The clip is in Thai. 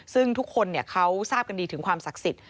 ซึ่งทุกคนเขาทราบกันดีถึงความศักดิ์สิทธิ